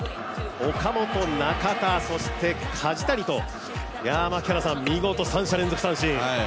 岡本、中田、そして梶谷と見事、三者連続三振。